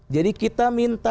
jadi kita minta